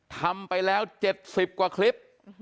ทำไปแล้ว๗๐กว่าคลิป